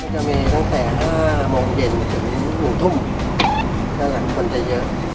จะมีตั้งแต่ห้ามองเย็นถึงหนูทุ่มด้านหลังคนจะเยอะ